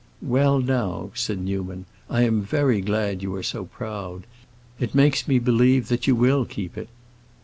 "Well, now," said Newman, "I am very glad you are so proud. It makes me believe that you will keep it."